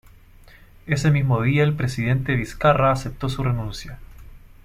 Ese mismo día el presidente Vizcarra aceptó su renuncia.